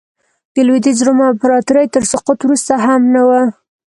د لوېدیځ روم امپراتورۍ تر سقوط وروسته هم نه و